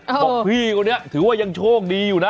บอกพี่คนนี้ถือว่ายังโชคดีอยู่นะ